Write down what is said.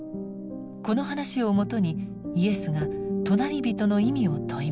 この話をもとにイエスが「隣人」の意味を問います。